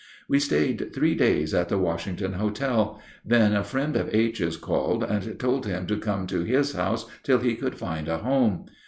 _) We stayed three days at the Washington Hotel; then a friend of H.'s called and told him to come to his house till he could find a home.